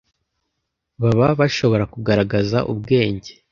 baba bashobora kugaragaza ubwenge